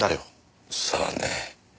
さあね。